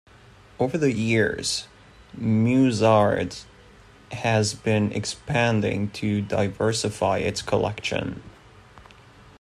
Over the years, Mus'Art has been expanding to diversify its collection.